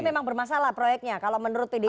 jadi memang bermasalah proyeknya kalau menurut dedy